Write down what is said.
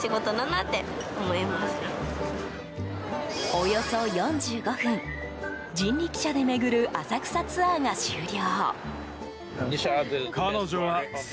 およそ４５分人力車で巡る浅草ツアーが終了。